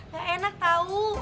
gak enak tau